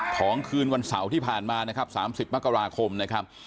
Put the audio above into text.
คืนวันเสาร์ที่ผ่านมานะครับ๓๐มกราคมนะครับ